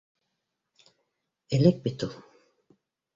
Элек бит ул...